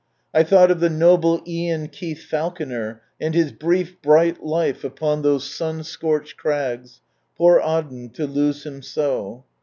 1 thought of the noble Ion Keith Falconer, and his brief bright life upon those sun scorched crags. Poor Aden to lose him so